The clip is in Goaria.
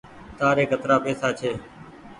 تآري ڪترآ پئيسا ڇي۔